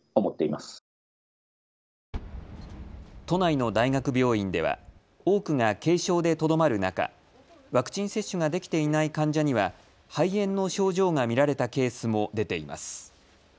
都内の大学病院では多くが軽症でとどまる中、ワクチン接種ができていない患者には肺炎の症状が見られたケースも出ています。